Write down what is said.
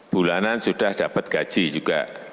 bulanan sudah dapat gaji juga